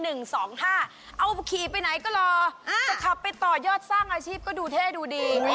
เอาขี่ไปไหนก็รอจะขับไปต่อยอดสร้างอาชีพก็ดูเท่ดูดี